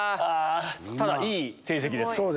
ただいい成績です。